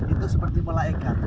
itu seperti malaikat